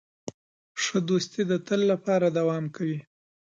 ښه دوستي د تل لپاره دوام کوي.